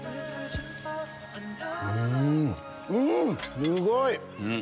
すごい！